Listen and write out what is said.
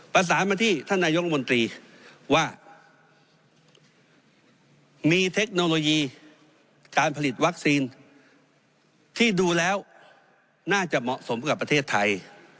ประสานมาที่ท่านนายกรมนตรีว่ามีเทคโนโลยีการผลิตวัคซีนที่ดูแล้วน่าจะเหมาะสมกับประเทศไทย